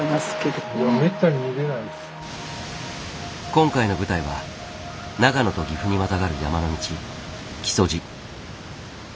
今回の舞台は長野と岐阜にまたがる山の道